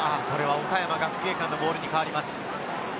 岡山学芸館のボールに変わります。